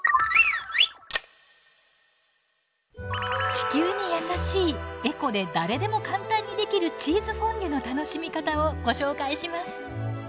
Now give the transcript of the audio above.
地球にやさしいエコで誰でも簡単にできるチーズフォンデュの楽しみ方をご紹介します。